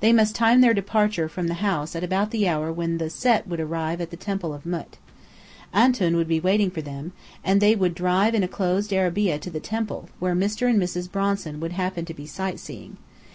They must time their departure from the house at about the hour when the Set would arrive at the Temple of Mût. "Antoun" would be waiting for them, and they would drive in a closed arabeah to the temple, where Mr. and Mrs. Bronson would happen to be "sightseeing."